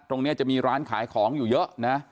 ตรงนี้จะมีร้านขายของอยู่เยอะนะ